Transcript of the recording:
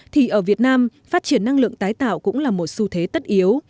thì ở việt nam phát triển năng lượng tái tạo cũng là một xu thế tất yếu